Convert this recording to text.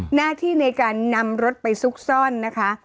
หน้าที่ในการนำรถไปซุกซ่อนนะคะ